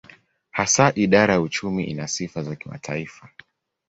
Hasa idara ya uchumi ina sifa za kimataifa.